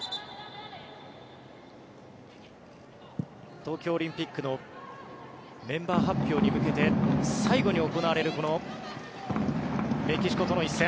東京オリンピックのメンバー発表に向けて最後に行われるこのメキシコとの一戦。